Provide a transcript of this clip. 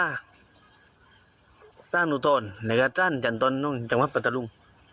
นู้นจ้างตโทนในกระต้านจันต์ตอนจังหวัดประตารุ่น